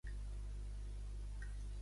Altres cràters propers són Dante i Anderson.